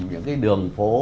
những cái đường phố